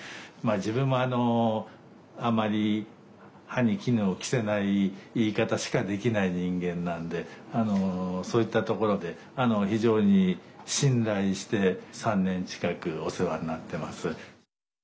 自分もあまり歯に衣を着せない言い方しかできない人間なんでそういったところで非常に信頼して３年近くお世話になってます。